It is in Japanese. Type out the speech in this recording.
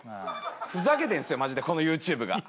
ふざけてんすよマジでこのＹｏｕＴｕｂｅが。